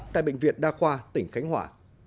tại bệnh viện đa khoa tỉnh khánh hòa